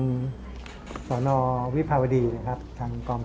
รักษาและส่วนกดีที่พ่ออาจารย์ไหนบ้างครับคือทางสวนะวิคราวดี